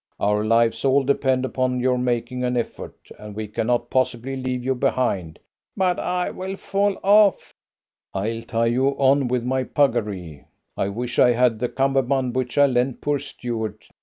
"Our lives all depend upon your making an effort, and we cannot possibly leave you behind." "But I will fall off." "I'll tie you on with my puggaree. I wish I had the cummerbund which I lent poor Stuart.